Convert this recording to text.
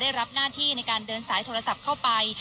รับหน้าที่ในการเดินสายโทรศัพท์เข้าไป